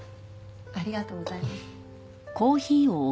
ありがとうございます。